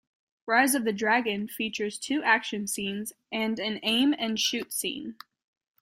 "Rise of the Dragon" features two action scenes and an aim-and-shoot scene.